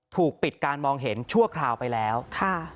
ถูกปิดการมองเห็นชั่วคราวไปแล้วค่ะ